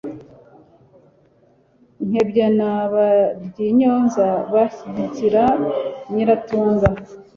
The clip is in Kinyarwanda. nkebya na baryinyonza bashyigikira nyiratunga